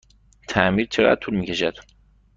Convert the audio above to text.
تعمیر چقدر طول می کشد؟